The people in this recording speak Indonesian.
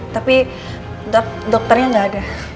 tapi dokternya gak ada